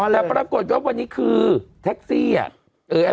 แต่ปรากฏว่าวันนี้คือแท็กซี่อ่ะ